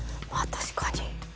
確かに。